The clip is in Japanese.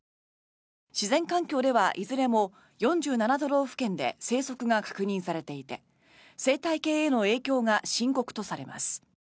自然環境ではいずれも４７都道府県で生息が確認されていて生態系への影響が深刻とされます。